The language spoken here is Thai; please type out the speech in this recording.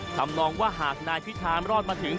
ทำนองว่าหากนายพิธารอดมาถึง